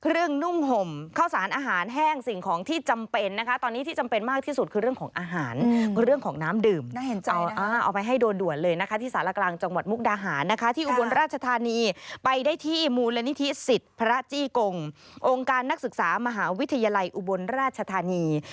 นุ่มห่มข้าวสารอาหารแห้งสิ่งของที่จำเป็นนะคะตอนนี้ที่จำเป็นมากที่สุดคือเรื่องของอาหารเรื่องของน้ำดื่มน่าเห็นใจเอาไปให้โดนด่วนเลยนะคะที่สารกลางจังหวัดมุกดาหารนะคะที่อุบลราชธานีไปได้ที่มูลนิธิสิทธิ์พระจี้กงองค์การนักศึกษามหาวิทยาลัยอุบลราชธานี